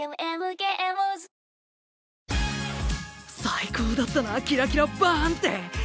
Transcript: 最高だったなキラキラバンって。